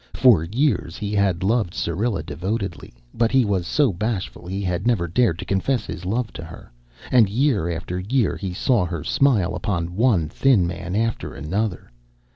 For years he had loved Syrilla devotedly, but he was so bashful he had never dared to confess his love to her, and year after year he saw her smile upon one thin man after another.